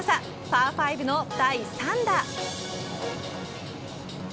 パー５の第３打。